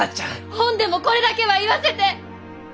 ほんでもこれだけは言わせて！